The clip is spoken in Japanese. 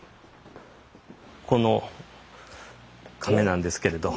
この甕なんですけれど。